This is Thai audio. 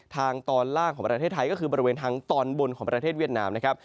ทางตอนล่างของประเทศไทยก็คือบริเวณทางตอนบนของประเทศเวียดนามนะครับ